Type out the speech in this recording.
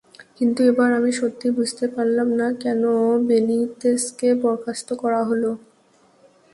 কিন্তু এবার আমি সত্যিই বুঝতে পারলাম না, কেন বেনিতেজকে বরখাস্ত করা হলো।